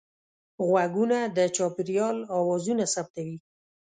غوږونه د چاپېریال اوازونه ثبتوي